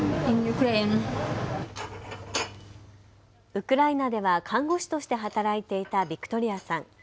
ウクライナでは看護師として働いていたビクトリアさん。